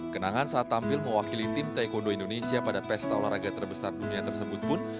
kenangan saat tampil mewakili tim taekwondo indonesia pada pesta olahraga terbesar dunia tersebut pun